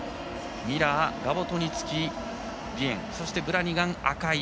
ミラー、ラボトニツキーディエンそしてブラニガン、赤井。